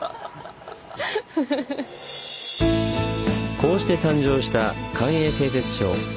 こうして誕生した官営製鐵所。